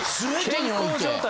全てにおいて。